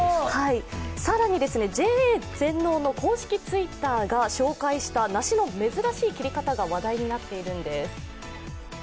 更にＪＡ全農の公式Ｔｗｉｔｔｅｒが紹介した梨の珍しい切り方が話題になっているんです。